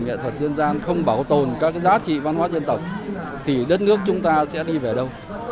nghệ thuật dân gian không bảo tồn các giá trị văn hóa dân tộc thì đất nước chúng ta sẽ đi về đâu